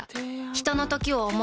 ひとのときを、想う。